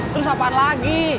terus apaan lagi